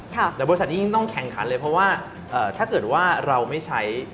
แต่บริษัทนี้ยิ่งต้องแข่งขันเลยเพราะว่าถ้าเกิดว่าเราไม่ใช้